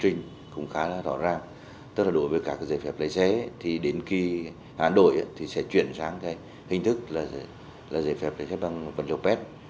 thông tư này cũng khá là rõ ràng tức là đối với các giấy phép lái xe thì đến khi hãn đổi thì sẽ chuyển sang hình thức là giấy phép lái xe bằng vật liệu pet